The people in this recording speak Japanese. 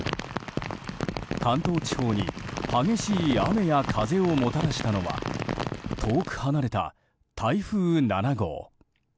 関東地方に激しい雨や風をもたらしたのは遠く離れた台風７号。